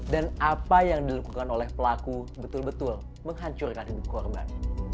dan apa yang dilakukan oleh pelaku betul betul menghancurkan hidup korban